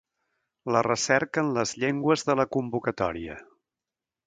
La recerca en les llengües de la convocatòria.